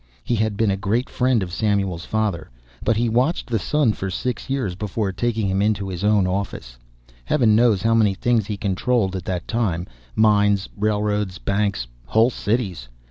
He had been a great friend of Samuel's father, but he watched the son for six years before taking him into his own office. Heaven knows how many things he controlled at that time mines, railroads, banks, whole cities.